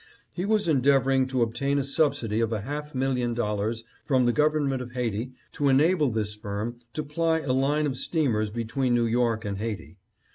He was endeavoring to obtain a subsidy of a half million dollars from the government of Haiti to enable this firm to ply a line of steamers between New York and Haiti.